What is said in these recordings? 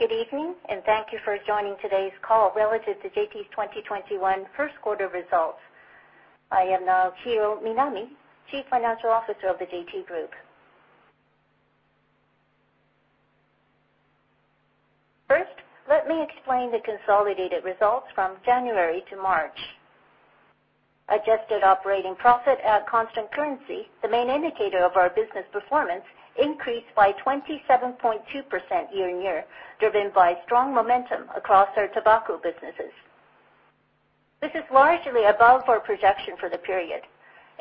Good evening, and thank you for joining today's call relative to JT's 2021 first quarter results. I am Naohiro Minami, Chief Financial Officer of the JT Group. First, let me explain the consolidated results from January to March. Adjusted operating profit at constant currency, the main indicator of our business performance, increased by 27.2% year-on-year, driven by strong momentum across our tobacco businesses. This is largely above our projection for the period.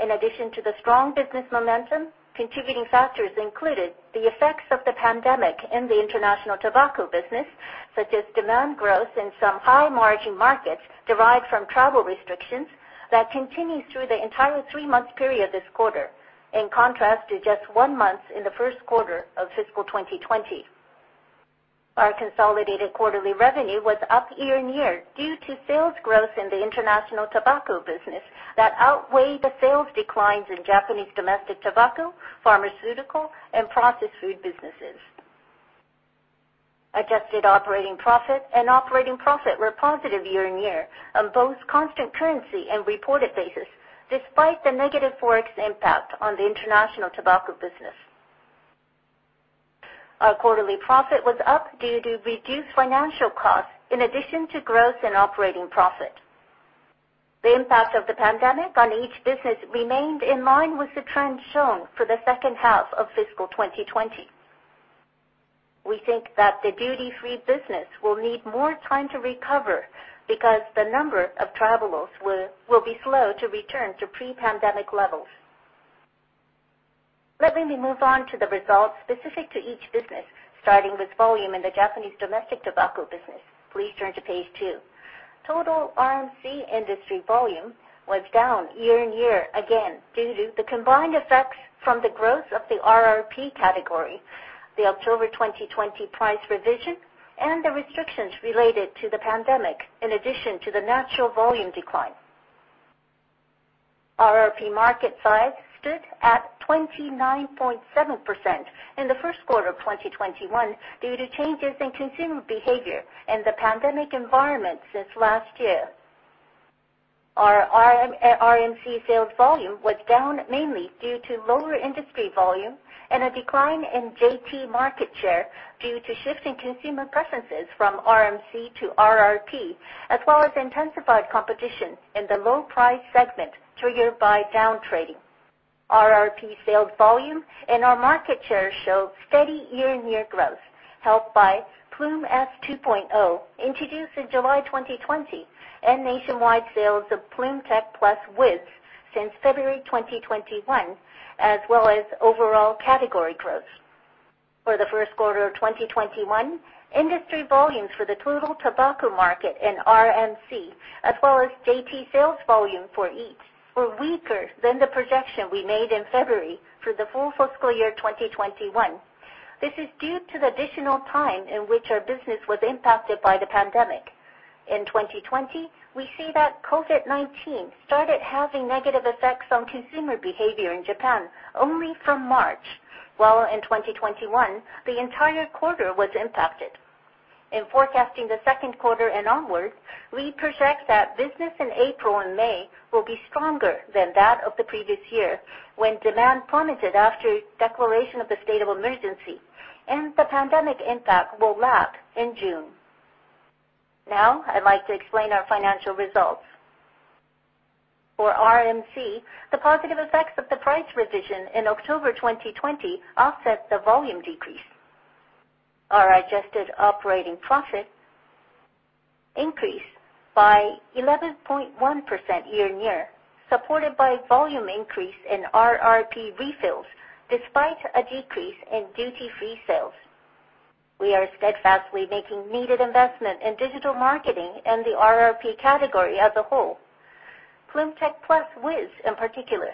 In addition to the strong business momentum, contributing factors included the effects of the pandemic in the international tobacco business, such as demand growth in some high-margin markets derived from travel restrictions that continues through the entire three-month period this quarter, in contrast to just one month in the first quarter of fiscal 2020. Our consolidated quarterly revenue was up year-on-year due to sales growth in the international tobacco business that outweighed the sales declines in Japanese domestic tobacco, pharmaceutical, and processed food businesses. Adjusted operating profit and operating profit were positive year-on-year on both constant currency and reported basis, despite the negative Forex impact on the international tobacco business. Our quarterly profit was up due to reduced financial costs in addition to growth in operating profit. The impact of the pandemic on each business remained in line with the trend shown for the second half of fiscal 2020. We think that the duty-free business will need more time to recover because the number of travelers will be slow to return to pre-pandemic levels. Let me move on to the results specific to each business, starting with volume in the Japanese domestic tobacco business. Please turn to Page Two. Total RMC industry volume was down year-on-year again due to the combined effects from the growth of the RRP category, the October 2020 price revision, and the restrictions related to the pandemic, in addition to the natural volume decline. RRP market size stood at 29.7% in the first quarter of 2021 due to changes in consumer behavior and the pandemic environment since last year. Our RMC sales volume was down mainly due to lower industry volume and a decline in JT market share due to shifting consumer preferences from RMC to RRP, as well as intensified competition in the low-price segment triggered by downtrading. RRP sales volume and our market share showed steady year-on-year growth, helped by Ploom S 2.0, introduced in July 2020, and nationwide sales of Ploom TECH+ with since February 2021, as well as overall category growth. For the first quarter of 2021, industry volumes for the total tobacco market and RMC, as well as JT sales volume for each, were weaker than the projection we made in February for the full fiscal year 2021. This is due to the additional time in which our business was impacted by the pandemic. In 2020, we see that COVID-19 started having negative effects on consumer behavior in Japan only from March, while in 2021, the entire quarter was impacted. In forecasting the second quarter and onwards, we project that business in April and May will be stronger than that of the previous year, when demand plummeted after a declaration of the state of emergency, and the pandemic impact will lap in June. I'd like to explain our financial results. For RMC, the positive effects of the price revision in October 2020 offset the volume decrease. Our adjusted operating profit increased by 11.1% year-on-year, supported by volume increase in RRP refills despite a decrease in duty-free sales. We are steadfastly making needed investment in digital marketing and the RRP category as a whole, Ploom TECH+ with in particular.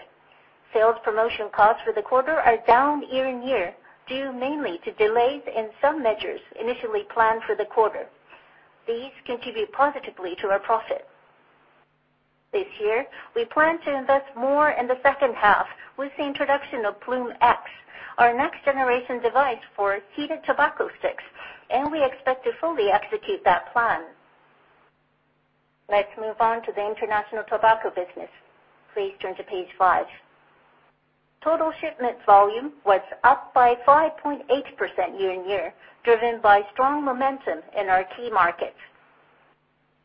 Sales promotion costs for the quarter are down year-on-year, due mainly to delays in some measures initially planned for the quarter. These contribute positively to our profit. This year, we plan to invest more in the second half with the introduction of Ploom X, our next-generation device for heated tobacco sticks, and we expect to fully execute that plan. Let's move on to the international tobacco business. Please turn to Page Five. Total shipment volume was up by 5.8% year-on-year, driven by strong momentum in our key markets.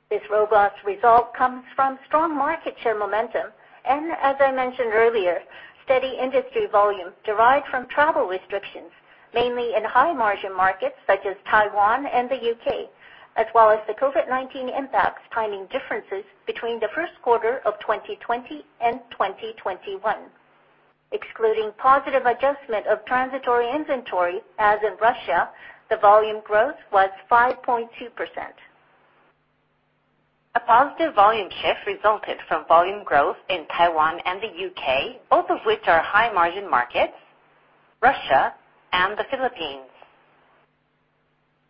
This robust result comes from strong market share momentum and, as I mentioned earlier, steady industry volume derived from travel restrictions, mainly in high-margin markets such as Taiwan and the U.K., as well as the COVID-19 impact timing differences between the first quarter of 2020 and 2021. Excluding positive adjustment of transitory inventory, as in Russia, the volume growth was 5.2%. A positive volume shift resulted from volume growth in Taiwan and the U.K., both of which are high-margin markets, Russia, and the Philippines.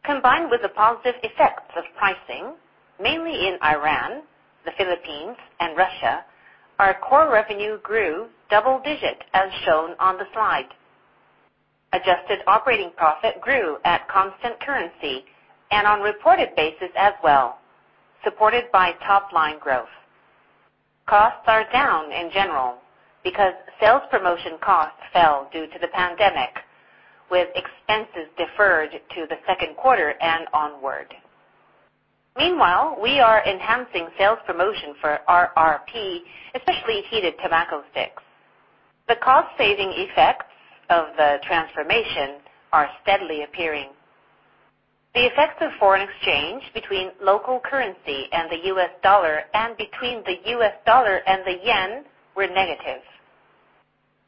Combined with the positive effects of pricing, mainly in Iran, the Philippines, and Russia, our core revenue grew double-digit, as shown on the slide. Adjusted operating profit grew at constant currency and on a reported basis as well, supported by top-line growth. Costs are down in general because sales promotion costs fell due to the pandemic, with expenses deferred to the second quarter and onward. Meanwhile, we are enhancing sales promotion for RRP, especially heated tobacco sticks. The cost-saving effects of the transformation are steadily appearing. The effects of foreign exchange between local currency and the U.S. dollar and between the U.S. dollar and the yen were negative.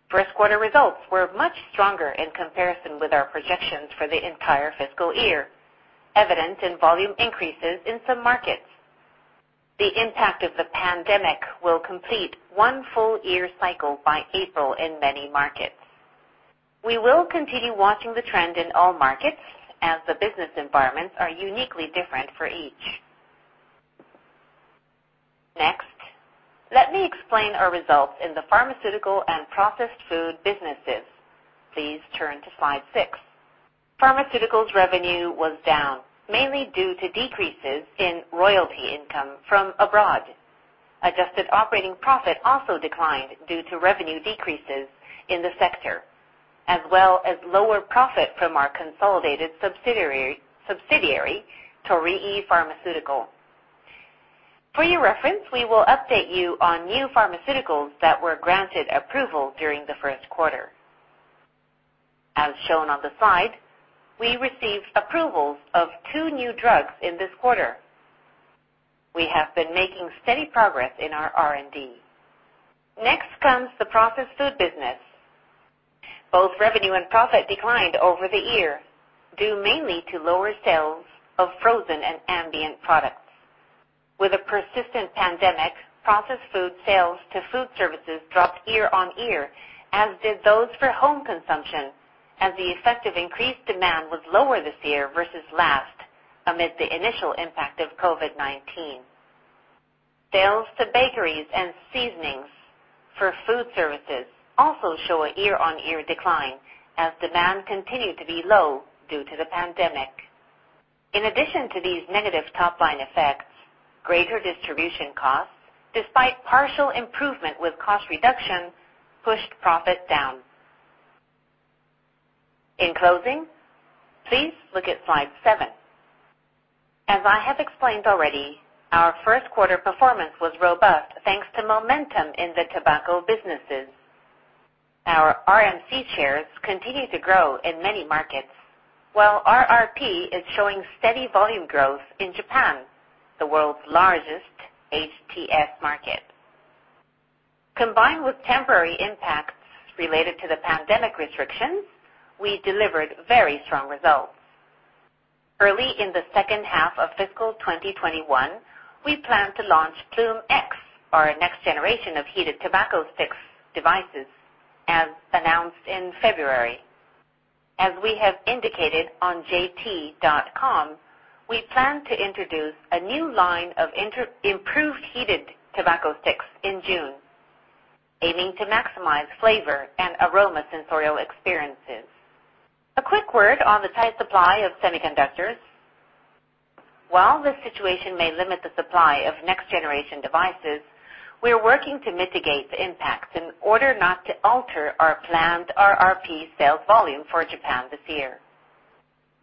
First quarter results were much stronger in comparison with our projections for the entire fiscal year, evident in volume increases in some markets. The impact of the pandemic will complete one full year cycle by April in many markets. We will continue watching the trend in all markets as the business environments are uniquely different for each. Next, let me explain our results in the pharmaceutical and processed food businesses. Please turn to Slide Six. Pharmaceuticals revenue was down, mainly due to decreases in royalty income from abroad. Adjusted operating profit also declined due to revenue decreases in the sector, as well as lower profit from our consolidated subsidiary, Torii Pharmaceutical. For your reference, we will update you on new pharmaceuticals that were granted approval during the first quarter. As shown on the slide, we received approvals of two new drugs in this quarter. We have been making steady progress in our R&D. Next comes the processed food business. Both revenue and profit declined over the year, due mainly to lower sales of frozen and ambient products. With a persistent pandemic, processed food sales to food services dropped year-on-year, as did those for home consumption, as the effect of increased demand was lower this year versus last amid the initial impact of COVID-19. Sales to bakeries and seasonings for food services also show a year-on-year decline as demand continued to be low due to the pandemic. In addition to these negative top-line effects, greater distribution costs, despite partial improvement with cost reduction, pushed profit down. In closing, please look at Slide Seven. As I have explained already, our first quarter performance was robust, thanks to momentum in the tobacco businesses. Our RMC shares continue to grow in many markets, while RRP is showing steady volume growth in Japan, the world's largest HTS market. Combined with temporary impacts related to the pandemic restrictions, we delivered very strong results. Early in the second half of FY 2021, we plan to launch Ploom X, our next generation of heated tobacco sticks devices, as announced in February. As we have indicated on jt.com, we plan to introduce a new line of improved heated tobacco sticks in June, aiming to maximize flavor and aroma sensorial experiences. A quick word on the tight supply of semiconductors. While this situation may limit the supply of next-generation devices, we are working to mitigate the impacts in order not to alter our planned RRP sales volume for Japan this year.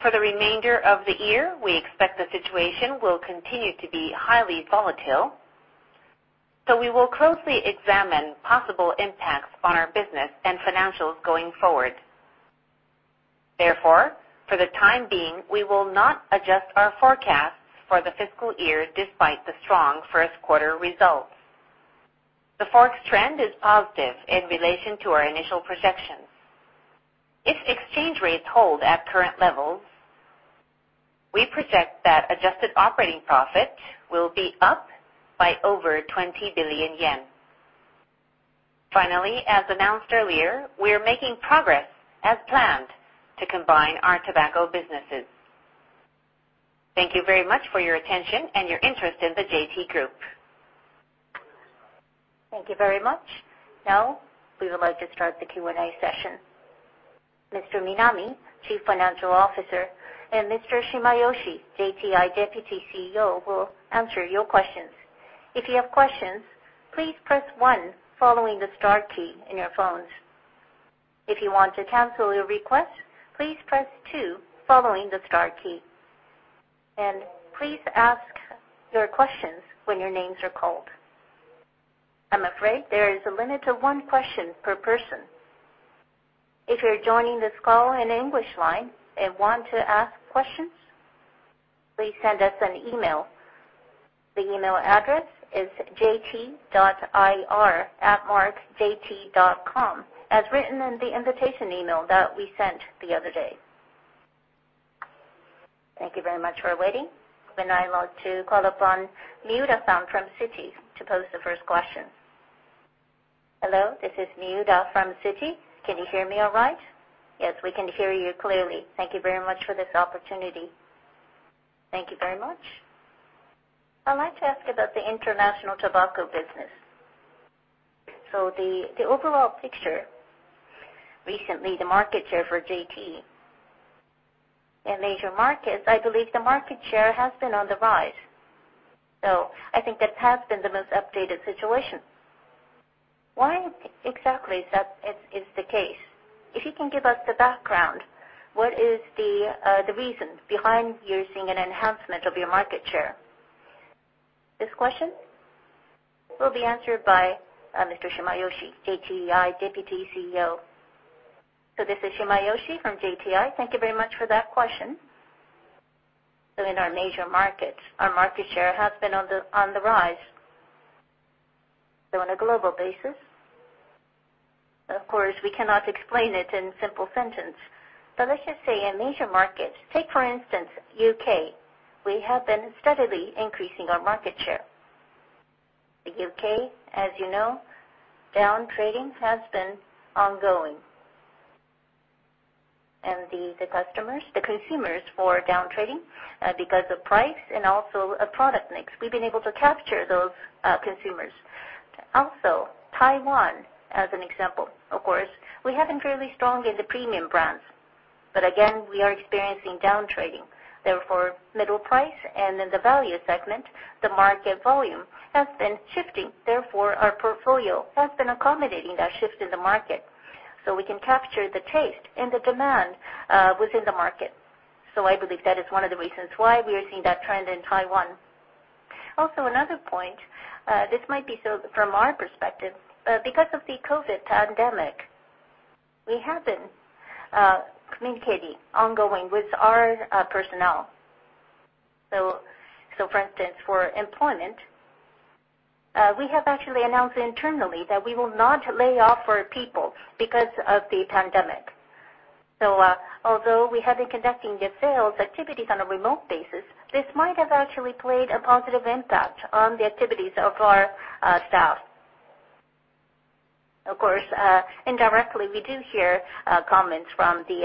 For the remainder of the year, we expect the situation will continue to be highly volatile. We will closely examine possible impacts on our business and financials going forward. Therefore, for the time being, we will not adjust our forecasts for the fiscal year despite the strong first quarter results. The Forex trend is positive in relation to our initial projections. If exchange rates hold at current levels, we project that adjusted operating profit will be up by over 20 billion yen. As announced earlier, we are making progress as planned to combine our tobacco businesses. Thank you very much for your attention and your interest in the JT Group. Thank you very much. We would like to start the Q&A session. Mr. Minami, Chief Financial Officer, and Mr. Shimayoshi, JTI Deputy CEO, will answer your questions. If you have questions, please press one following the star key on your phones. If you want to cancel your request, please press two following the star key. Please ask your questions when your names are called. I'm afraid there is a limit of one question per person. If you're joining this call on the English line and want to ask questions, please send us an email. The email address is jt.ir@jt.com, as written in the invitation email that we sent the other day. Thank you very much for waiting. I'd like to call upon Miura-san from Citi to pose the first question. Hello, this is Miura from Citi. Can you hear me all right? Yes, we can hear you clearly. Thank you very much for this opportunity. Thank you very much. I'd like to ask about the international tobacco business. The overall picture, recently, the market share for JT in major markets, I believe the market share has been on the rise. I think that has been the most updated situation. Why exactly is that the case? If you can give us the background, what is the reason behind you seeing an enhancement of your market share? This question will be answered by Mr. Shimayoshi, JTI Deputy CEO. This is Shimayoshi from JTI. Thank you very much for that question. In our major markets, our market share has been on the rise. On a global basis, of course, we cannot explain it in simple sentence. Let's just say in major markets, take for instance, U.K., we have been steadily increasing our market share. The U.K., as you know, downtrading has been ongoing. The consumers for downtrading, because of price and also product mix, we've been able to capture those consumers. Taiwan, as an example. Of course, we have been fairly strong in the premium brands. Again, we are experiencing downtrading. Middle price and in the value segment, the market volume has been shifting. Our portfolio has been accommodating that shift in the market. We can capture the taste and the demand within the market. I believe that is one of the reasons why we are seeing that trend in Taiwan. Another point, this might be from our perspective, because of the COVID pandemic, we have been communicating ongoing with our personnel. For instance, for employment, we have actually announced internally that we will not lay off our people because of the pandemic. Although we have been conducting the sales activities on a remote basis, this might have actually played a positive impact on the activities of our staff. Of course, indirectly, we do hear comments from the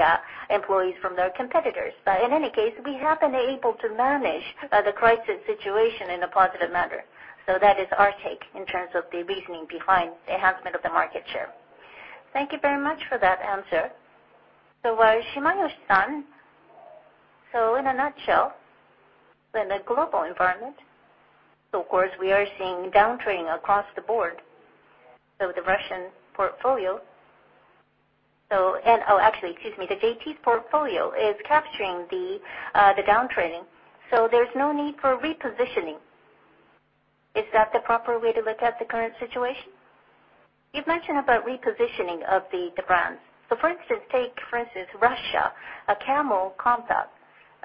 employees from their competitors. In any case, we have been able to manage the crisis situation in a positive manner. That is our take in terms of the reasoning behind the enhancement of the market share. Thank you very much for that answer. Shimayoshi-san, in a nutshell, in the global environment, of course, we are seeing downtrading across the board. The JT portfolio is capturing the downtrading. There's no need for repositioning. Is that the proper way to look at the current situation? You've mentioned about repositioning of the brands. For instance, take, for instance, Russia, Camel Compact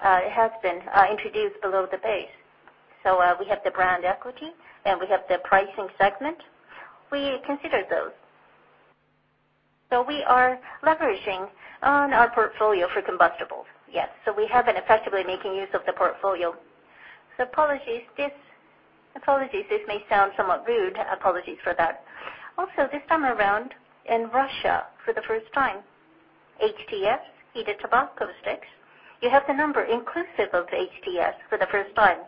has been introduced below the base. We have the brand equity, and we have the pricing segment. We consider those. We are leveraging on our portfolio for combustibles. Yes. We have been effectively making use of the portfolio. Apologies, this may sound somewhat rude. Apologies for that. This time around, in Russia, for the first time, HTS, heated tobacco sticks, you have the number inclusive of HTS for the first time.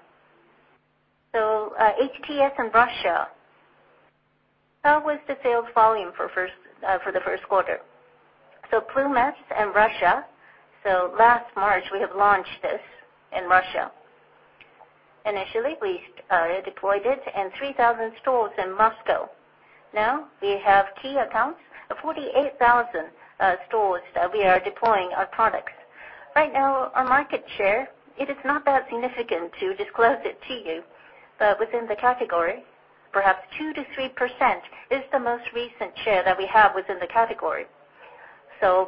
HTS in Russia, how was the sales volume for the first quarter? Ploom X in Russia, last March, we have launched this in Russia. Initially, we deployed it in 3,000 stores in Moscow. Now we have key accounts of 48,000 stores that we are deploying our products. Right now, our market share, it is not that significant to disclose it to you. Within the category, perhaps 2%-3% is the most recent share that we have within the category.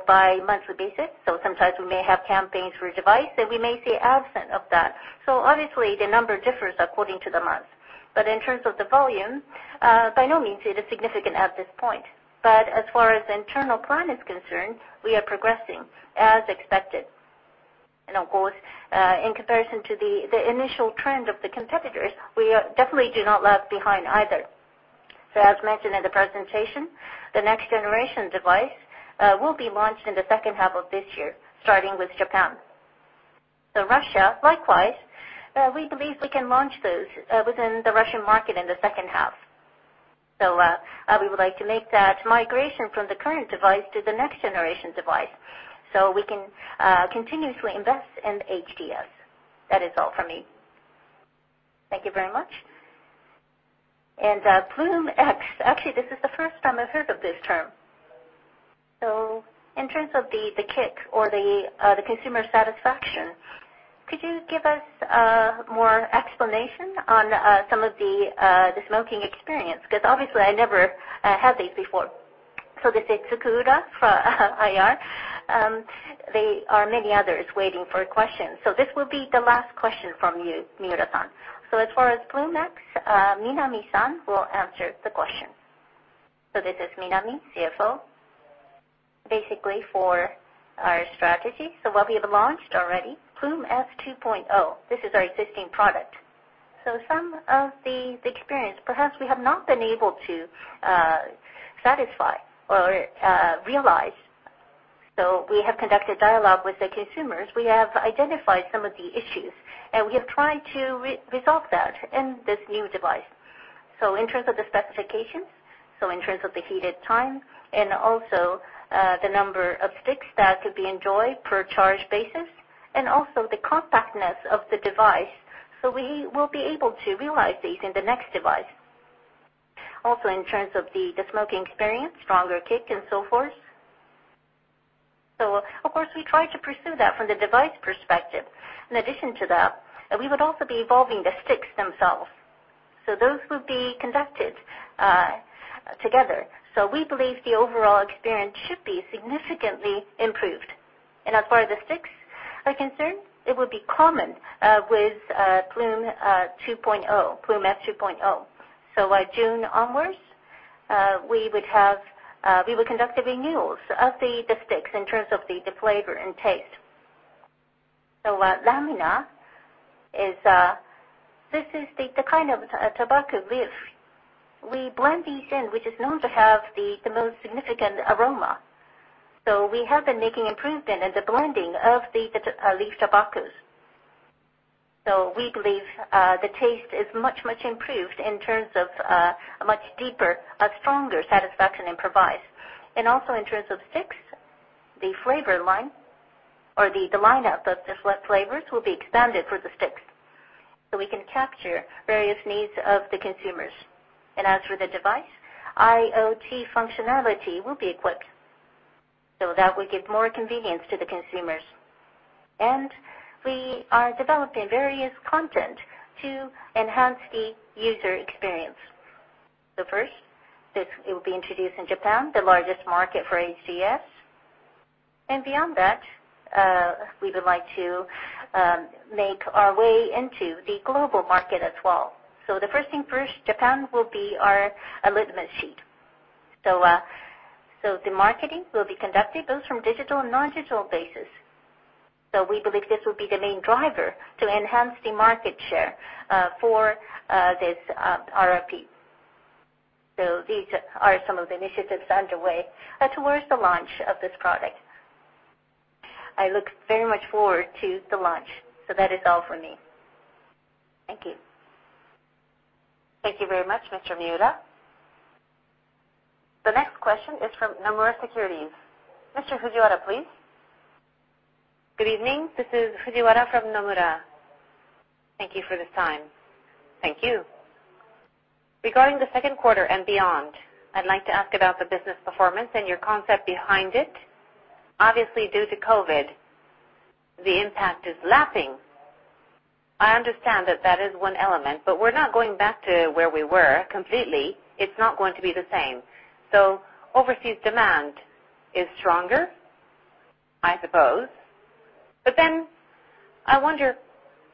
By monthly basis, sometimes we may have campaigns revised, and we may see absent of that. Obviously, the number differs according to the month. In terms of the volume, by no means it is significant at this point. As far as internal plan is concerned, we are progressing as expected. Of course, in comparison to the initial trend of the competitors, we definitely do not lag behind either. As mentioned in the presentation, the next generation device will be launched in the second half of this year, starting with Japan. Russia, likewise, we believe we can launch those within the Russian market in the second half. We would like to make that migration from the current device to the next generation device, so we can continuously invest in HTS. That is all from me. Thank you very much. Ploom X, actually, this is the first time I've heard of this term. In terms of the kick or the consumer satisfaction, could you give us more explanation on some of the smoking experience? Because obviously, I never had these before. This is Thotakura from IR. There are many others waiting for questions. This will be the last question from you, Miura-san. As far as Ploom X, Minami-san will answer the question. This is Minami, CFO. Basically, for our strategy. What we have launched already, Ploom S 2.0. This is our existing product. Some of the experience, perhaps, we have not been able to satisfy or realize. We have conducted dialogue with the consumers. We have identified some of the issues, and we have tried to resolve that in this new device. In terms of the specifications, in terms of the heated time, and also the number of sticks that could be enjoyed per charge basis, and also the compactness of the device. We will be able to realize these in the next device. Also, in terms of the smoking experience, stronger kick and so forth. Of course, we try to pursue that from the device perspective. In addition to that, we would also be evolving the sticks themselves. Those will be conducted together. We believe the overall experience should be significantly improved. As far as the sticks are concerned, it would be common with Ploom S 2.0. By June onwards, we would conduct the renewals of the sticks in terms of the flavor and taste. Lamina, this is the kind of tobacco leaf. We blend these in, which is known to have the most significant aroma. We have been making improvement in the blending of the leaf tobaccos. We believe the taste is much improved in terms of a much deeper, a stronger satisfaction it provides. In terms of sticks, the flavor line or the lineup of flavors will be expanded for the sticks, so we can capture various needs of the consumers. As for the device, IoT functionality will be equipped. That will give more convenience to the consumers. We are developing various content to enhance the user experience. First, it will be introduced in Japan, the largest market for HTS. Beyond that, we would like to make our way into the global market as well. The first thing first, Japan will be our litmus test. The marketing will be conducted both from digital and non-digital basis. We believe this will be the main driver to enhance the market share for this RRP. These are some of the initiatives underway towards the launch of this product. I look very much forward to the launch. That is all for me. Thank you. Thank you very much, Ms. Miura. The next question is from Nomura Securities. Mr. Fujiwara, please. Good evening. This is Fujiwara from Nomura. Thank you for this time. Thank you. Regarding the second quarter and beyond, I'd like to ask about the business performance and your concept behind it. Obviously, due to COVID, the impact is lapping. I understand that that is one element, we're not going back to where we were completely. It's not going to be the same. Overseas demand is stronger, I suppose. I wonder,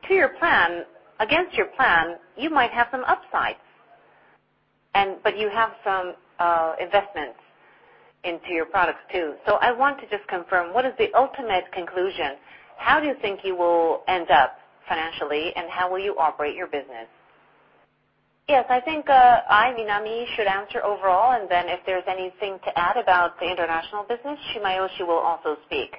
to your plan, against your plan, you might have some upsides. You have some investments into your products, too. I want to just confirm, what is the ultimate conclusion? How do you think you will end up financially, and how will you operate your business? Yes, I think I, Minami, should answer overall, and then if there's anything to add about the international business, Shimayoshi will also speak.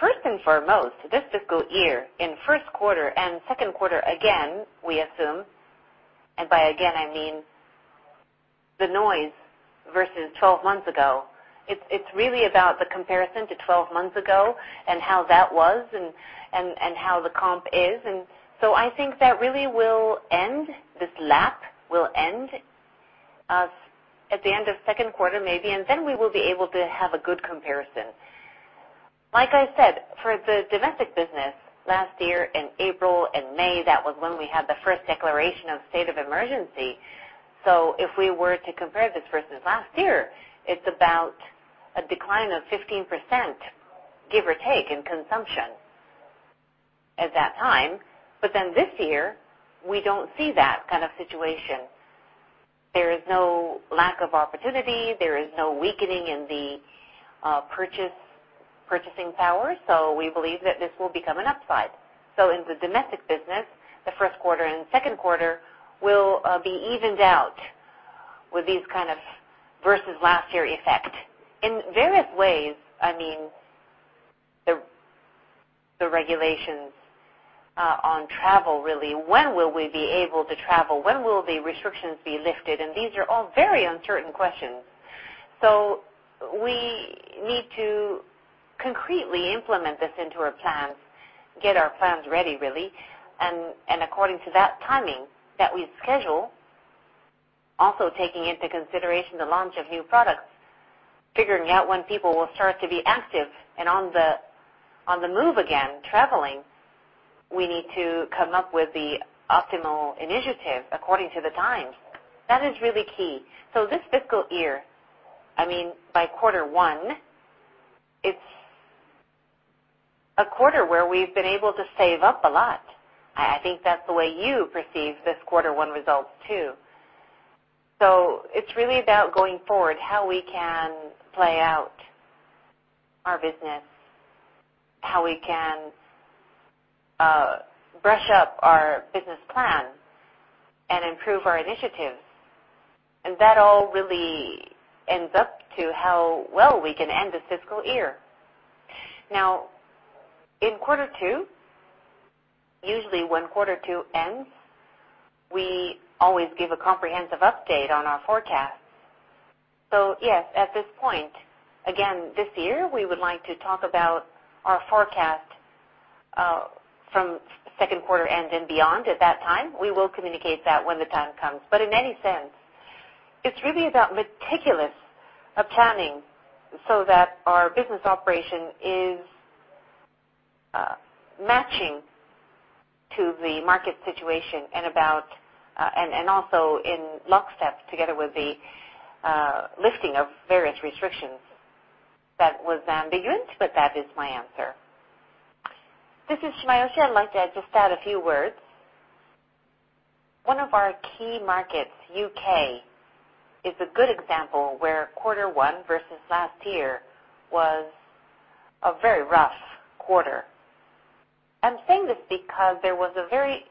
First and foremost, this fiscal year, in first quarter and second quarter, again, we assume, and by again, I mean the noise versus 12 months ago. It's really about the comparison to 12 months ago and how that was and how the comp is. I think that really will end, this lap will end at the end of second quarter, maybe, and then we will be able to have a good comparison. Like I said, for the domestic business, last year in April and May, that was when we had the first declaration of state of emergency. If we were to compare this versus last year, it's about a decline of 15%, give or take, in consumption at that time. This year, we don't see that kind of situation. There is no lack of opportunity. There is no weakening in the purchasing power. We believe that this will become an upside. In the domestic business, the first quarter and second quarter will be evened out with this kind of versus last year effect. In various ways, the regulations on travel, really, when will we be able to travel? When will the restrictions be lifted? These are all very uncertain questions. We need to concretely implement this into our plans, get our plans ready, really. According to that timing that we schedule, also taking into consideration the launch of new products, figuring out when people will start to be active and on the move again, traveling, we need to come up with the optimal initiative according to the time. That is really key. This fiscal year, by quarter one, it's a quarter where we've been able to save up a lot. I think that's the way you perceive this quarter one results, too. It's really about going forward, how we can play out our business, how we can brush up our business plan, and improve our initiatives. That all really ends up to how well we can end this fiscal year. In quarter two, usually when quarter two ends, we always give a comprehensive update on our forecast. Yes, at this point, again, this year, we would like to talk about our forecast from second quarter end and beyond at that time. We will communicate that when the time comes. In any sense, it's really about meticulous planning so that our business operation is matching to the market situation and also in locksteps together with the lifting of various restrictions. That was ambiguous, but that is my answer. This is Shimayoshi. I'd like to just add a few words. One of our key markets, U.K., is a good example where quarter one versus last year was a very rough quarter. I'm saying this because there was a very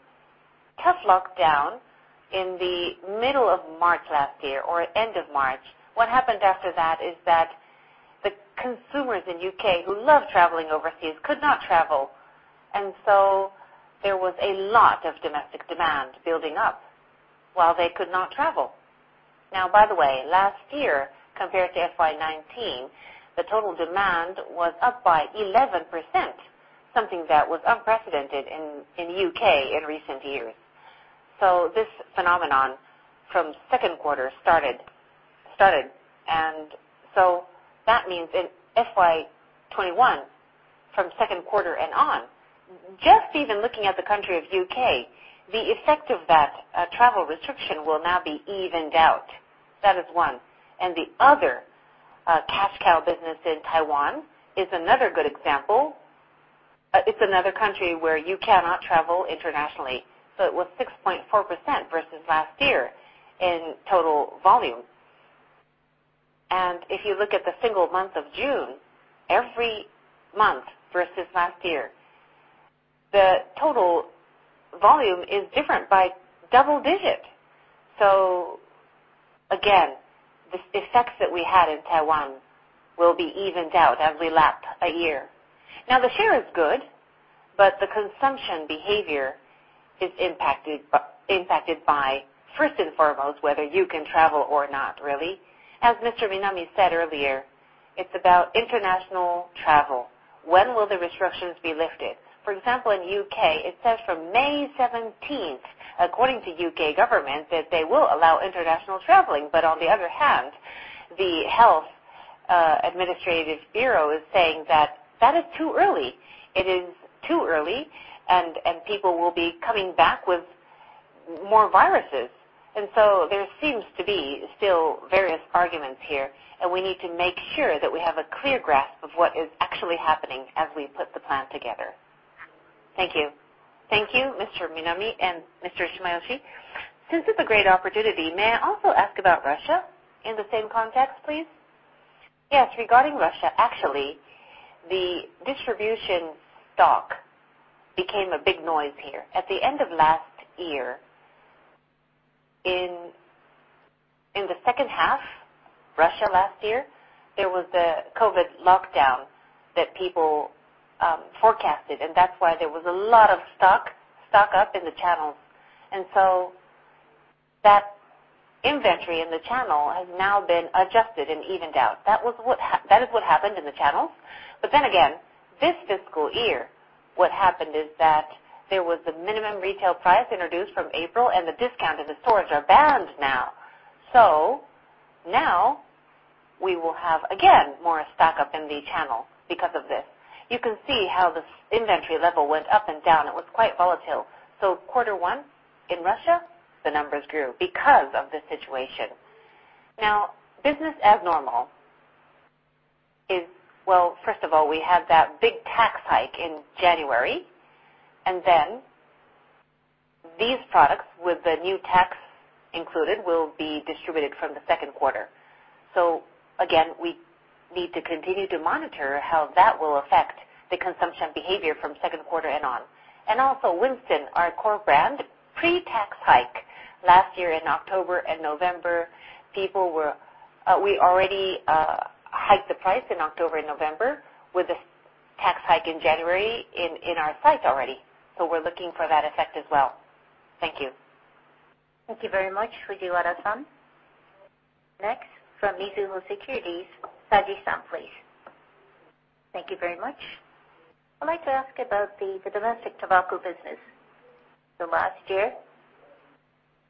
tough lockdown in the middle of March last year, or end of March. What happened after that is that the consumers in U.K. who love traveling overseas could not travel, and so there was a lot of domestic demand building up while they could not travel. Now, by the way, last year, compared to FY 2019, the total demand was up by 11%, something that was unprecedented in U.K. in recent years. This phenomenon from second quarter started. That means in FY 2021, from second quarter and on, just even looking at the country of U.K., the effect of that travel restriction will now be evened out. That is one. The other cash cow business in Taiwan is another good example. It's another country where you cannot travel internationally. It was 6.4% versus last year in total volume. If you look at the single month of June, every month versus last year, the total volume is different by double-digits. Again, this effect that we had in Taiwan will be evened out every lap a year. Now the share is good, the consumption behavior is impacted by, first and foremost, whether you can travel or not, really. As Mr. Minami said earlier, it's about international travel. When will the restrictions be lifted? For example, in U.K., it says from May 17th, according to U.K. government, that they will allow international traveling. The Health Service Bureau is saying that, "that is too early." It is too early; people will be coming back with more viruses. There seems to be still various arguments here; we need to make sure that we have a clear grasp of what is actually happening as we put the plan together. Thank you. Thank you, Mr. Minami and Mr. Shimayoshi. Since it's a great opportunity, may I also ask about Russia in the same context, please? Yes. Regarding Russia, actually, the distribution stock became a big noise here. At the end of last year, in the second half, Russia last year, there was the COVID lockdown that people forecasted, and that's why there was a lot of stock up in the channels. That inventory in the channel has now been adjusted and evened out. That is what happened in the channels. This fiscal year, what happened is that there was the minimum retail price introduced from April, and the discount at the stores are banned now. Now we will have, again, more stock-up in the channel because of this. You can see how this inventory level went up and down. It was quite volatile. Quarter one in Russia, the numbers grew because of this situation. Business as normal is, first of all, we have that big tax hike in January. These products with the new tax included will be distributed from the second quarter. Again, we need to continue to monitor how that will affect the consumption behavior from second quarter and on. Also, Winston, our core brand, pre-tax hike last year in October and November, we already hiked the price in October and November with the tax hike in January in our price already. We're looking for that effect as well. Thank you. Thank you very much, Fujiwara-san. Next, from Mizuho Securities, Saji-san, please. Thank you very much. I'd like to ask about the domestic tobacco business. Last year,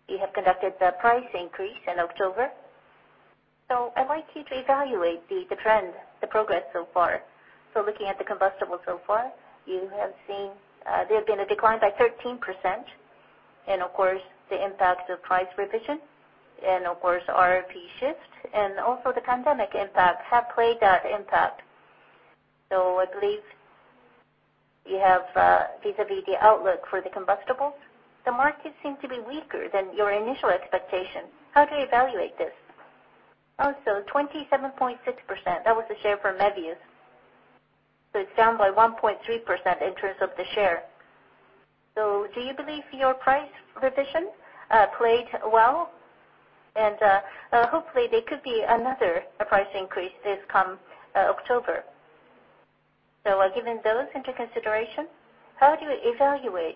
you have conducted the price increase in October. I'd like you to evaluate the trend, the progress so far. Looking at the combustible so far, you have seen there has been a decline by 13%. And of course, the impact of price revision, of course, RRP shift, and also the pandemic impact have played an impact. I believe you have vis-à-vis the outlook for the combustibles. The market seemed to be weaker than your initial expectation. How do you evaluate this? Also, 27.6%, that was the share for Mevius. It's down by 1.3% in terms of the share. Do you believe your price revision played well? Hopefully, there could be another price increase this come October. Given those into consideration, how do you evaluate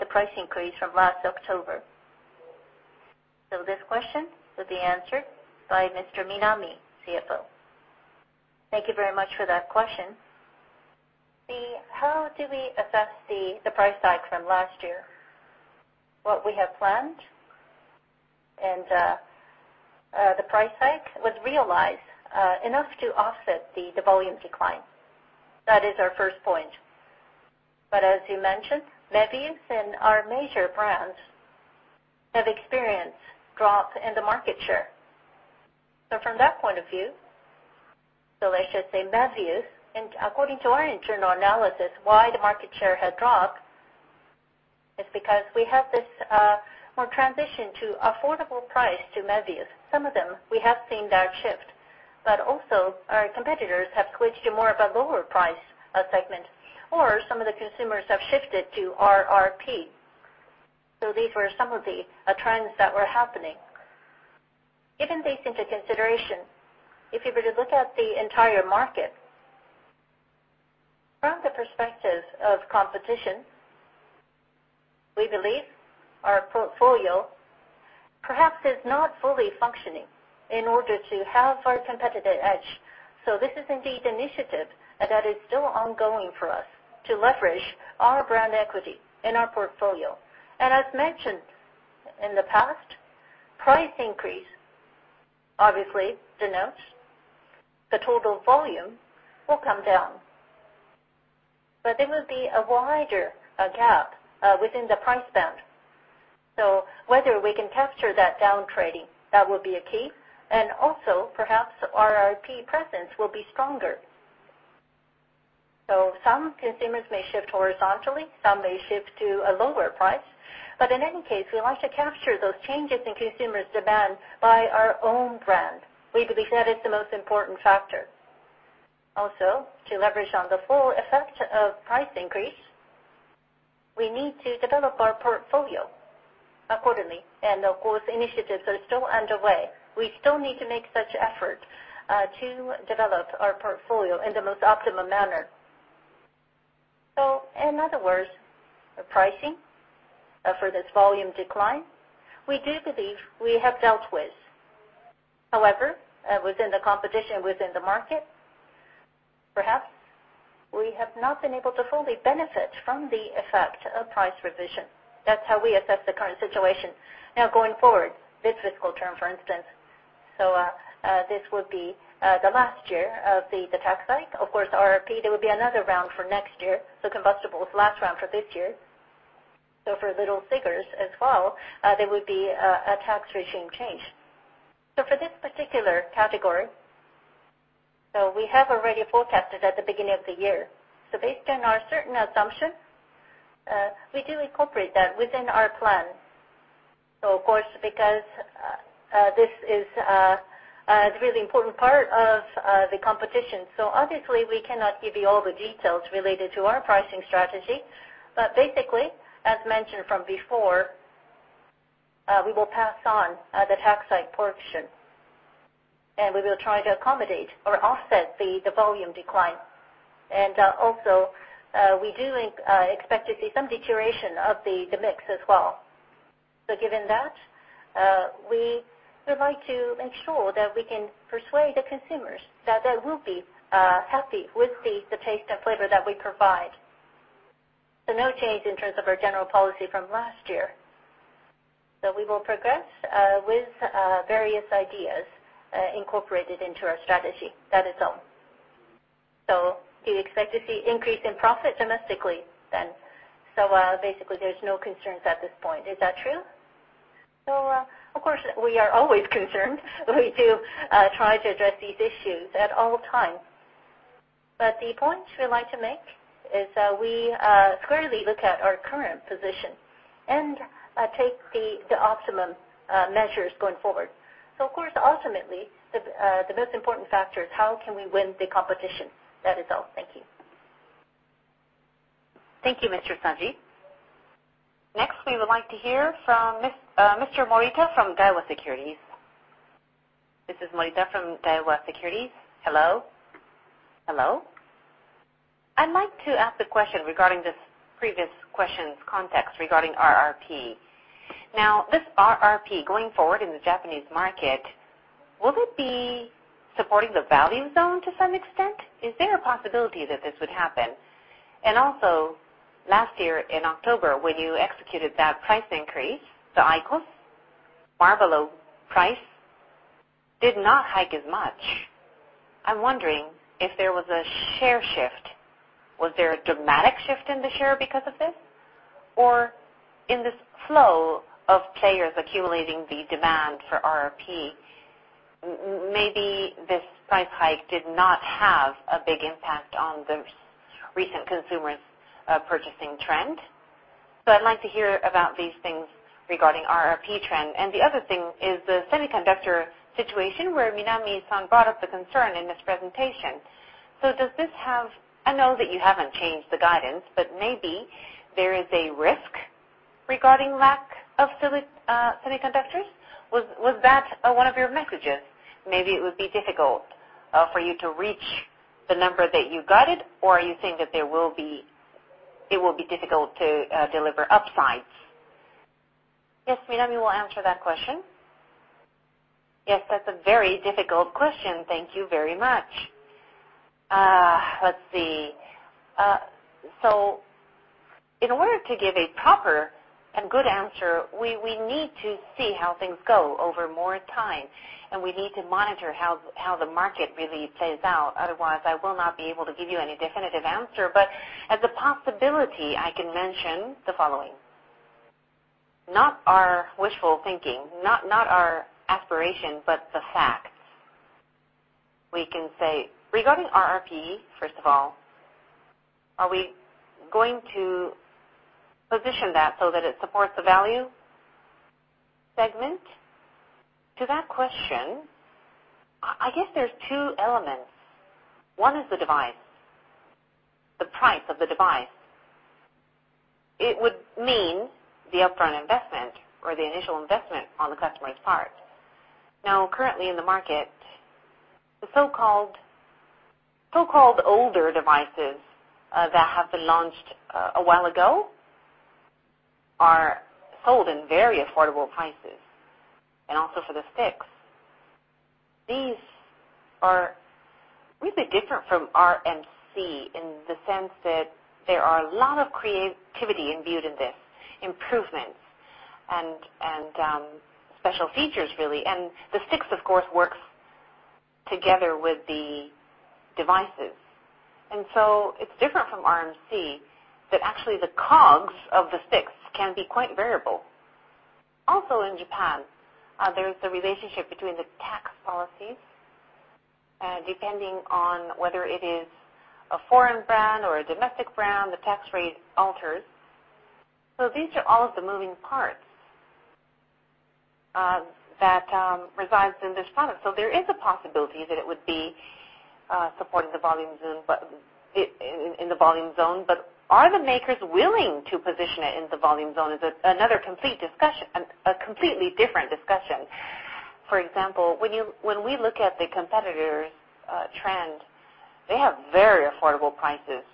the price increase from last October? This question will be answered by Mr. Minami, CFO. Thank you very much for that question. How do we assess the price hike from last year? What we have planned and the price hike was realized enough to offset the volume decline. That is our first point. As you mentioned, Mevius and our major brands have experienced drop in the market share. From that point of view, so I should say Mevius, and according to our internal analysis, why the market share has dropped, is because we have this more transition to affordable price to Mevius. Some of them, we have seen that shift. Also, our competitors have switched to more of a lower price segment, or some of the consumers have shifted to RRP. These were some of the trends that were happening. Given this into consideration, if you were to look at the entire market from the perspective of competition, we believe our portfolio perhaps is not fully functioning in order to have our competitive edge. This is indeed initiative that is still ongoing for us to leverage our brand equity and our portfolio. As mentioned in the past, price increase obviously denotes the total volume will come down. There will be a wider gap within the price band. Whether we can capture that downtrading, that will be a key. Also, perhaps RRP presence will be stronger. Some consumers may shift horizontally, some may shift to a lower price. In any case, we like to capture those changes in consumers' demand by our own brand. We believe that is the most important factor. To leverage on the full effect of price increase, we need to develop our portfolio accordingly. Of course, initiatives are still underway. We still need to make such effort to develop our portfolio in the most optimum manner. In other words, pricing for this volume decline, we do believe we have dealt with. However, within the competition within the market, perhaps we have not been able to fully benefit from the effect of price revision. That's how we assess the current situation. Going forward, this fiscal term, for instance. This would be the last year of the tax hike. Of course, RRP, there will be another round for next year. Combustibles, last round for this year. For little cigars as well, there would be a tax regime change. For this particular category, we have already forecasted at the beginning of the year. Based on our certain assumptions, we do incorporate that within our plan. Of course, because this is a really important part of the competition, obviously, we cannot give you all the details related to our pricing strategy. Basically, as mentioned from before, we will pass on the tax hike portion, and we will try to accommodate or offset the volume decline. We do expect to see some deterioration of the mix as well. Given that, we would like to ensure that we can persuade the consumers that they will be happy with the taste and flavor that we provide. No change in terms of our general policy from last year. We will progress with various ideas incorporated into our strategy. That is all. Do you expect to see increase in profit domestically then? Basically, there's no concerns at this point. Is that true? Of course, we are always concerned. We do try to address these issues at all times. The point we like to make is we clearly look at our current position and take the optimum measures going forward. Of course, ultimately, the most important factor is how can we win the competition. That is all. Thank you. Thank you, Mr. Saji. Next, we would like to hear from Mr. Morita from Daiwa Securities. This is Morita from Daiwa Securities. Hello? Hello. I'd like to ask a question regarding this previous question's context regarding RRP. This RRP going forward in the Japanese market, will it be supporting the value zone to some extent? Is there a possibility that this would happen? Last year in October, when you executed that price increase, the IQOS, Marlboro price did not hike as much. I'm wondering if there was a share shift. Was there a dramatic shift in the share because of this? In this flow of players accumulating the demand for RRP, maybe this price hike did not have a big impact on the recent consumers' purchasing trend. I'd like to hear about these things regarding RRP trend. The other thing is the semiconductor situation, where Minami brought up the concern in his presentation. I know that you haven't changed the guidance, but maybe there is a risk regarding lack of semiconductors. Was that one of your messages? Maybe it would be difficult for you to reach the number that you guided, or are you saying that it will be difficult to deliver upsides? Yes, Minami will answer that question. Yes, that's a very difficult question. Thank you very much. Let's see. In order to give a proper and good answer, we need to see how things go over more time, and we need to monitor how the market really plays out. Otherwise, I will not be able to give you any definitive answer. As a possibility, I can mention the following. Not our wishful thinking, not our aspiration, but the facts. We can say, regarding RRP, first of all: "Are we going to position that so that it supports the value segment?" To that question, I guess there's two elements. One is the device, the price of the device. It would mean the upfront investment or the initial investment on the customer's part. Currently in the market, the so-called older devices that have been launched a while ago are sold in very affordable prices, and also for the sticks. These are really different from RMC in the sense that there are a lot of creativity imbued in this, improvements, and special features, really. The sticks, of course, works together with the devices. It's different from RMC, that actually the COGS of the sticks can be quite variable. Also in Japan, there is the relationship between the tax policies. Depending on whether it is a foreign brand or a domestic brand, the tax rate alters. These are all of the moving parts that resides in this product. There is a possibility that it would be supported in the volume zone, but are the makers willing to position it in the volume zone is another completely different discussion. For example, when we look at the competitors' trend, they have very affordable prices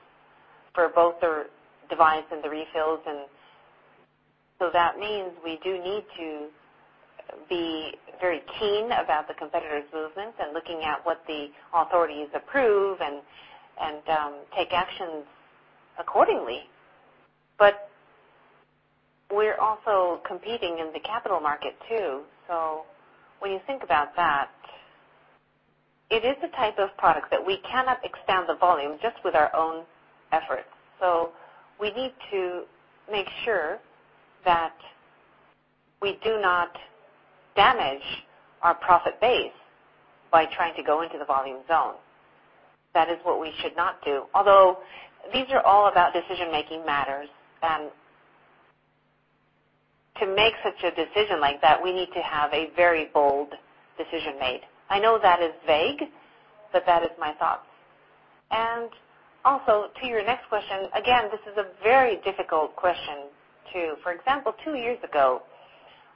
for both their device and the refills. That means we do need to be very keen about the competitors' movements and looking at what the authorities approve and take actions accordingly. We're also competing in the capital market too. When you think about that, it is the type of product that we cannot expand the volume just with our own effort. We need to make sure that we do not damage our profit base by trying to go into the volume zone. That is what we should not do. These are all about decision-making matters, and to make such a decision like that, we need to have a very bold decision made. I know that is vague, but that is my thoughts. Also, to your next question, again, this is a very difficult question, too. For example, two years ago,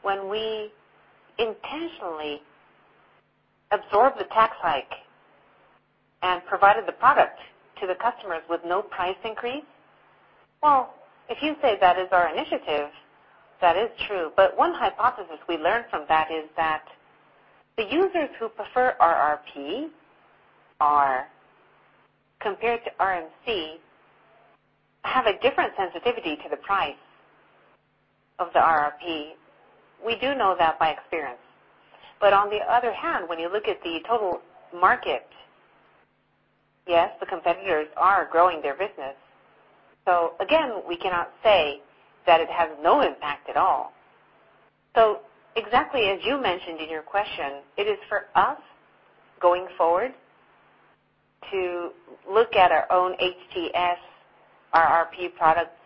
when we intentionally absorbed the tax hike and provided the product to the customers with no price increase. Well, if you say that is our initiative, that is true. One hypothesis we learned from that is that the users who prefer RRP, compared to RMC, have a different sensitivity to the price of the RRP. We do know that by experience. On the other hand, when you look at the total market, yes, the competitors are growing their business. Again, we cannot say that it has no impact at all. Exactly as you mentioned in your question, it is for us, going forward, to look at our own HTS RRP products,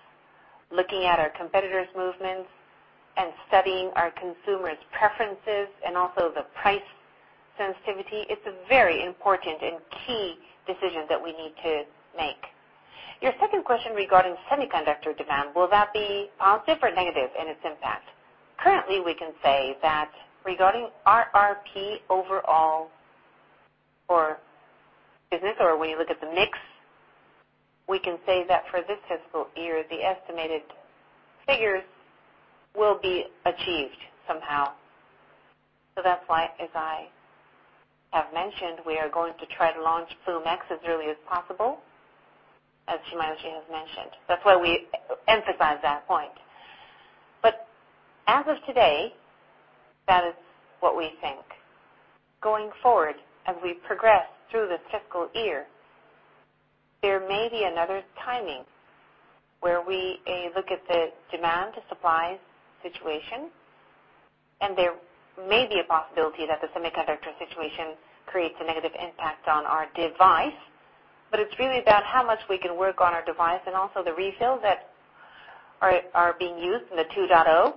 looking at our competitors' movements, and studying our consumers' preferences, and also the price sensitivity. It is a very important and key decision that we need to make. Your second question regarding semiconductor demand, will that be positive or negative in its impact? Currently, we can say that, regarding RRP overall for business, or when you look at the mix, we can say that for this fiscal year, the estimated figures will be achieved somehow. That's why, as I have mentioned, we are going to try to launch Ploom X as early as possible, as Shimayoshi has mentioned. That's why we emphasize that point. As of today, that is what we think. Going forward, as we progress through this fiscal year, there may be another timing where we look at the demand-to-supply situation, and there may be a possibility that the semiconductor situation creates a negative impact on our device. It's really about how much we can work on our device, and also the refills that are being used in the Ploom S 2.0.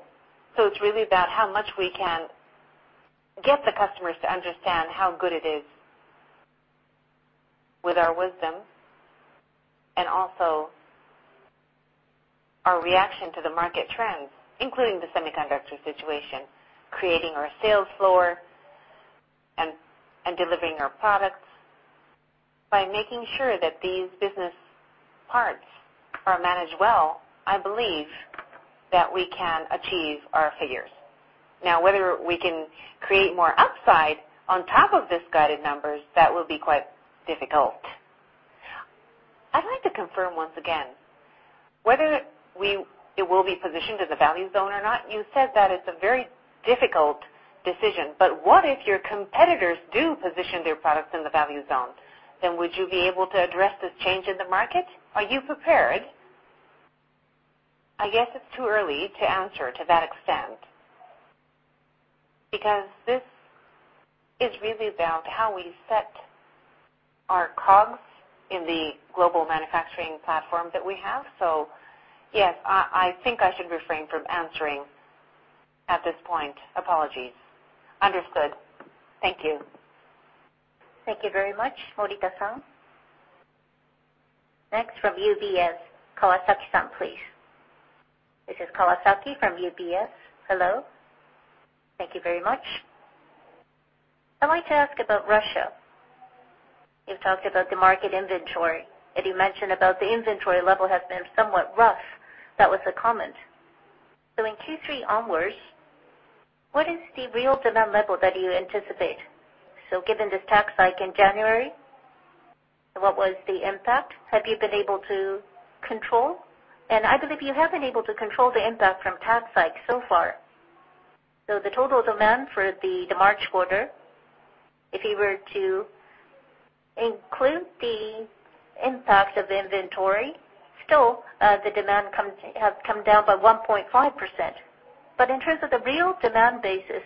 It's really about how much we can get the customers to understand how good it is with our wisdom and also our reaction to the market trends, including the semiconductor situation, creating our sales floor, and delivering our products. By making sure that these business parts are managed well, I believe that we can achieve our figures. Whether we can create more upside on top of these guided numbers, that will be quite difficult. I'd like to confirm once again whether it will be positioned in the value zone or not. You said that it's a very difficult decision. What if your competitors do position their products in the value zone? Would you be able to address this change in the market? Are you prepared? I guess it's too early to answer to that extent, because this is really about how we set our COGS in the global manufacturing platform that we have. Yes, I think I should refrain from answering at this point. Apologies. Understood. Thank you. Thank you very much, Morita-san. Next from UBS, Kawasaki-san, please. This is Kawasaki from UBS. Hello. Thank you very much. I'd like to ask about Russia. You've talked about the market inventory, you mentioned about the inventory level has been somewhat rough. That was the comment. In Q3 onwards, what is the real demand level that you anticipate? Given this tax hike in January, what was the impact? Have you been able to control? I believe you have been able to control the impact from tax hike so far. The total demand for the March quarter, if you were to include the impact of the inventory, still, the demand has come down by 1.5%. In terms of the real demand basis,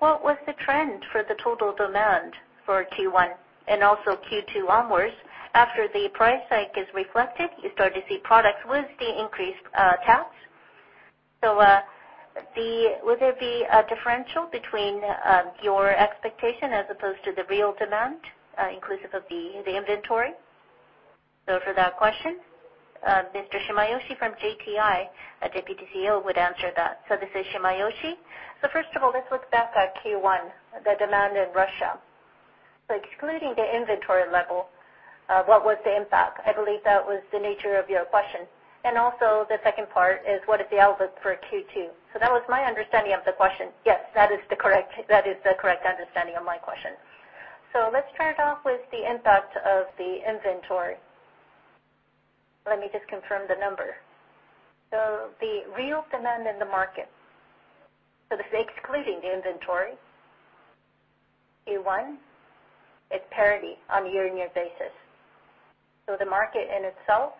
what was the trend for the total demand for Q1 and also Q2 onwards? After the price hike is reflected, you start to see products with the increased tax. Will there be a differential between your expectation as opposed to the real demand, inclusive of the inventory? For that question, Mr. Shimayoshi from JTI, our Deputy CEO, would answer that. This is Shimayoshi. First of all, let's look back at Q1, the demand in Russia. Excluding the inventory level, what was the impact? I believe that was the nature of your question. Also, the second part is what is the outlook for Q2? That was my understanding of the question. Yes. That is the correct understanding of my question. Let's start off with the impact of the inventory. Let me just confirm the number. The real demand in the market. This is excluding the inventory. Q1 is parity on a year-on-year basis. The market in itself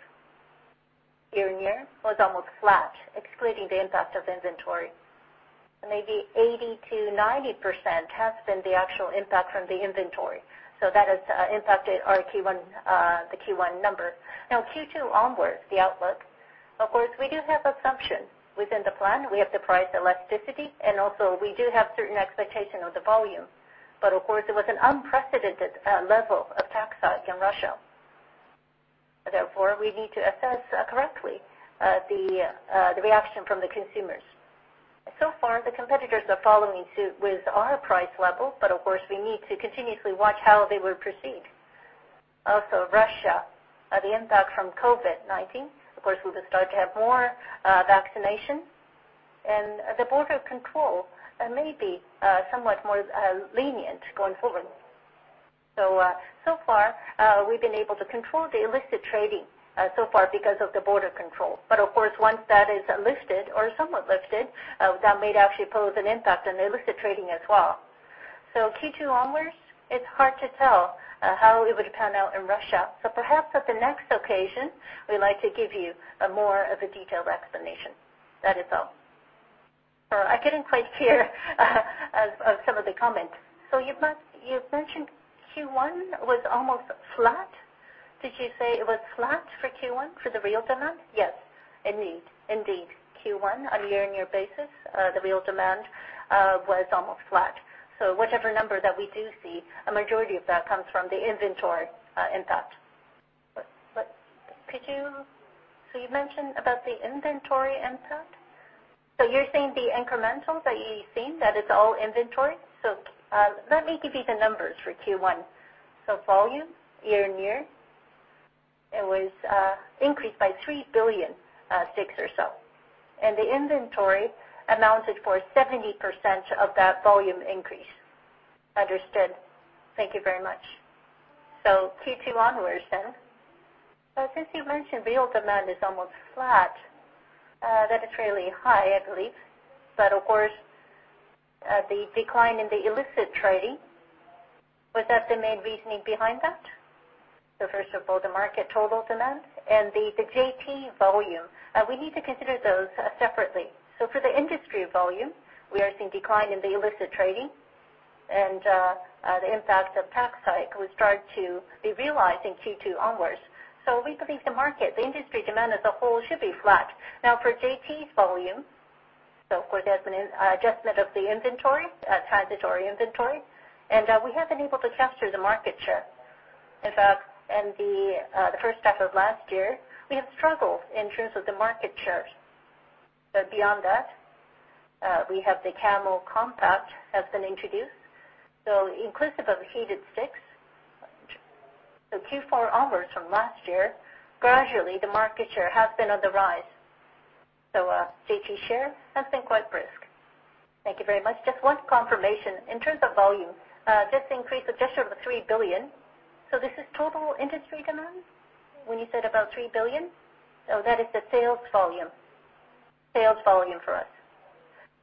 year-on-year, was almost flat, excluding the impact of inventory. Maybe 80%-90% has been the actual impact from the inventory. That has impacted the Q1 number. Now, Q2 onwards, the outlook, of course, we do have assumptions within the plan. We have the price elasticity, also we do have certain expectation of the volume. Of course, it was an unprecedented level of tax hike in Russia. Therefore, we need to assess correctly the reaction from the consumers. So far, the competitors are following suit with our price level, of course, we need to continuously watch how they will proceed. Russia, the impact from COVID-19, of course, we will start to have more vaccination, and the border control may be somewhat more lenient going forward. So far, we've been able to control the illicit trade so far because of the border control. Of course, once that is lifted or somewhat lifted, that may actually pose an impact on illicit trade as well. Q2 onwards, it's hard to tell how it would pan out in Russia. Perhaps at the next occasion, we'd like to give you a more of a detailed explanation. That is all. I couldn't quite hear some of the comments. You mentioned Q1 was almost flat. Did you say it was flat for Q1 for the real demand? Yes. Indeed. Q1 on a year-on-year basis, the real demand was almost flat. Whatever number that we do see, a majority of that comes from the inventory impact. You mentioned about the inventory impact. You're saying the incremental that you've seen, that it's all inventory? Let me give you the numbers for Q1. Volume year-on-year, it was increased by 3 billion sticks or so. The inventory accounted for 70% of that volume increase. Understood. Thank you very much. Q2 onwards then. Since you mentioned the old demand is almost flat, that is fairly high, I believe. Of course, the decline in the illicit trade was that the main reasoning behind that? First of all, the market total demand and the JT volume, we need to consider those separately. For the industry volume, we are seeing decline in the illicit trade, and the impact of tax hike will start to be realized in Q2 onwards. We believe the market, the industry demand as a whole should be flat. For JT volume, of course, there's an adjustment of the inventory, transitory inventory, and we have been able to capture the market share. In fact, in the first half of last year, we have struggled in terms of the market shares. Beyond that, we have the Camel Compact has been introduced. Inclusive of the heated sticks, Q4 onwards from last year, gradually the market share has been on the rise. JT's share has been quite brisk. Thank you very much. Just one confirmation. In terms of volume, this increase of just over 3 billion, so this is total industry demand? When you said about 3 billion. No, that is the sales volume. Sales volume for us.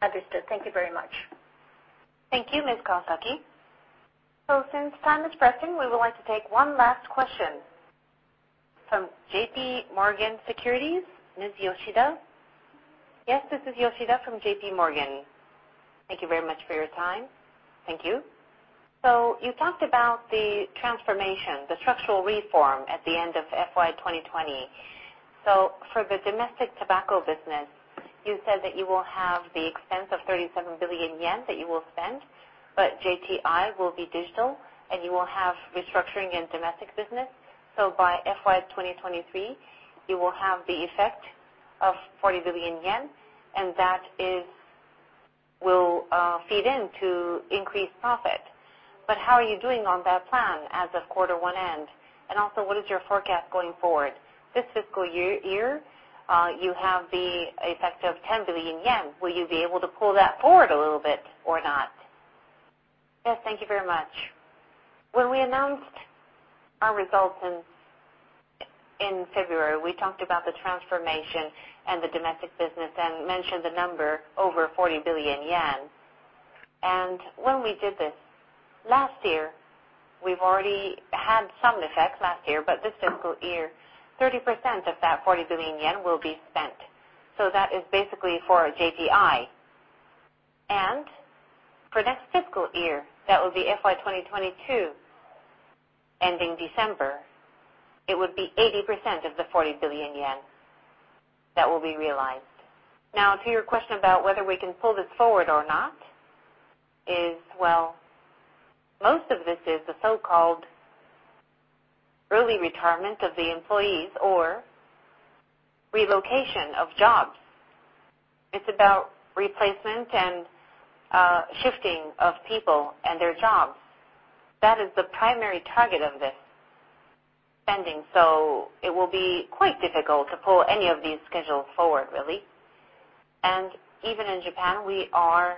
Understood. Thank you very much. Thank you, Ms. Kawasaki. Since time is pressing, we would like to take one last question. From JPMorgan Securities, Ms. Yoshida. Yes, this is Yoshida from JPMorgan. Thank you very much for your time. Thank you. You talked about the transformation, the structural reform at the end of FY 2020. For the domestic tobacco business, you said that you will have the expense of 37 billion yen that you will spend, but JTI will be digital, and you will have restructuring in domestic business. By FY 2023, you will have the effect of 40 billion yen, and that will feed into increased profit. How are you doing on that plan as of quarter one end? Also, what is your forecast going forward? This fiscal year, you have the effect of 10 billion yen. Will you be able to pull that forward a little bit or not? Yes, thank you very much. When we announced our results in February, we talked about the transformation and the domestic business and mentioned the number, over 40 billion yen. When we did this last year, we've already had some effects last year, but this fiscal year, 30% of that 40 billion yen will be spent. That is basically for JTI. For next fiscal year, that will be FY 2022, ending December, it would be 80% of the 40 billion yen that will be realized. Now, to your question about whether we can pull this forward or not is, well, most of this is the so-called early retirement of the employees or relocation of jobs. It's about replacement and shifting of people and their jobs. That is the primary target of this spending. It will be quite difficult to pull any of these schedules forward, really. Even in Japan, we are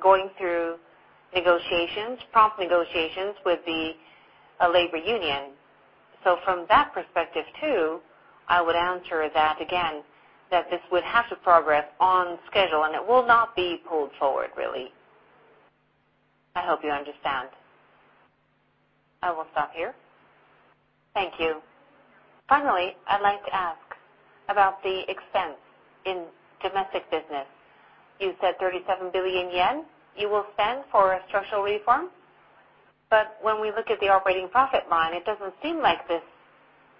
going through prompt negotiations with the labor union. From that perspective, too, I would answer that, again, that this would have to progress on schedule, and it will not be pulled forward, really. I hope you understand. I will stop here. Thank you. Finally, I'd like to ask about the expense in domestic business. You said 37 billion yen you will spend for a structural reform, but when we look at the operating profit line, it doesn't seem like this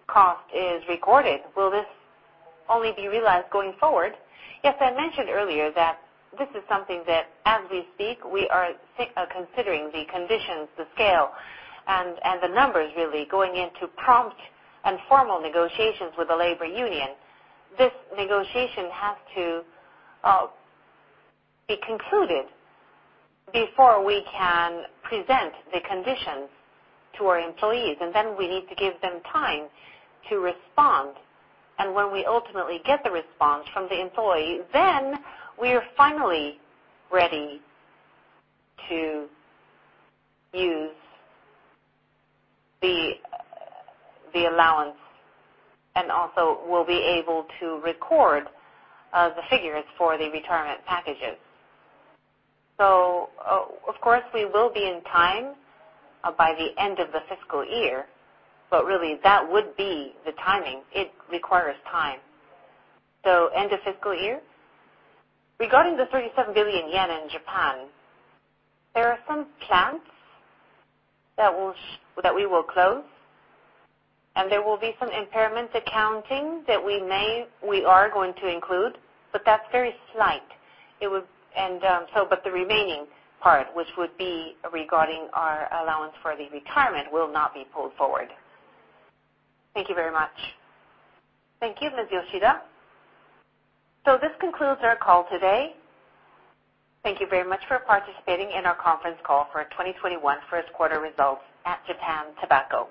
cost is recorded. Will this only be realized going forward? Yes, I mentioned earlier that this is something that, as we speak, we are considering the conditions, the scale, and the numbers, really, going into prompt and formal negotiations with the labor union. This negotiation has to be concluded before we can present the conditions to our employees, and then we need to give them time to respond. When we ultimately get the response from the employee, then we are finally ready to use the allowance and also will be able to record the figures for the retirement packages. Of course, we will be in time by the end of the fiscal year, but really, that would be the timing. It requires time. End of fiscal year? Regarding the 37 billion yen in Japan, there are some plants that we will close, and there will be some impairment accounting that we are going to include, but that's very slight. The remaining part, which would be regarding our allowance for the retirement, will not be pulled forward. Thank you very much. Thank you, Ms. Yoshida. This concludes our call today. Thank you very much for participating in our conference call for 2021 first quarter results at Japan Tobacco.